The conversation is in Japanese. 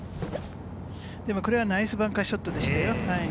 でもこれは、ナイスバンカーショットでしたよ。